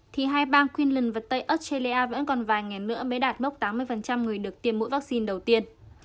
thì hai bang queensland và tây australia vẫn còn vài ngày nữa mới đạt mốc tám mươi người được tiêm mũi vaccine đầu tiên